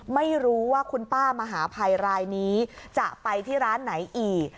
ไม่รู้ว่าคุณป้ามหาภัยรายนี้จะไปที่ร้านไหนอีก